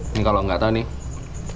ini kalau nggak tahu nih